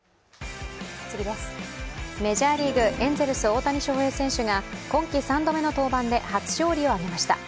メジャーリーグ、エンゼルス・大谷翔平選手が今季３度目の登板で初勝利を挙げました。